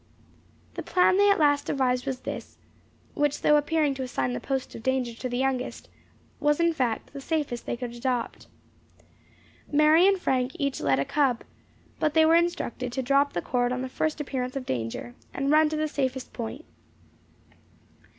The plan they at last devised was this which though appearing to assign the post of danger to the youngest, was in fact the safest they could adopt. Mary and Frank led each a cub, but they were instructed to drop the cord on the first appearance of danger, and run to the safest point.